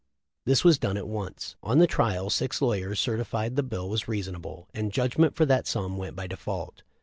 This was done at once. On the trial six lawyers certified that the bill was reasonable, and judgment for that sum went by default.